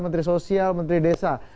menteri sosial menteri desa